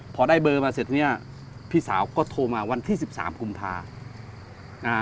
พอได้เบอร์มาเสร็จเนี่ยพี่สาวก็โทรมาวันที่สิบสามกุมภานะฮะ